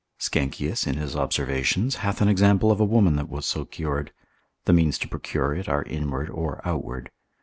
Sckenkius, in his observations, hath an example of a woman that was so cured. The means to procure it, are inward or outward.